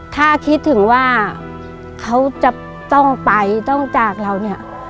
ถ้าคิดถึงว่าเขาจะต้องไปต้องจากเราเนี่ย